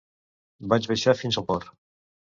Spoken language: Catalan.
Vaig baixar fins al port.